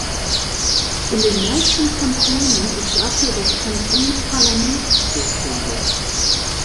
In den meisten Kantonen ist dafür das Kantonsparlament zuständig.